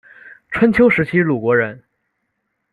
春秋时期鲁国人。